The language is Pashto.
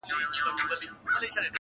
ونه یم د پاڼ پر سر کږه یمه نړېږمه -